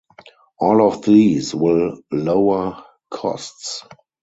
All of these will lower costs.